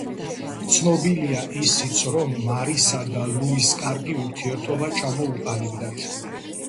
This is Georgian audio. ცნობილია ისიც, რომ მარისა და ლუის კარგი ურთიერთობა ჩამოუყალიბდათ.